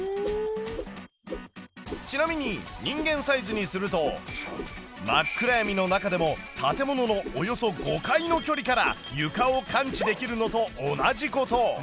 ちなみに人間サイズにすると真っ暗闇の中でも建物のおよそ５階の距離から床を感知できるのと同じこと。